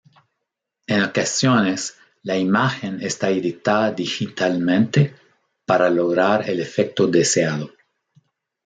En ocasiones, la imagen está editada digitalmente, para lograr el efecto deseado.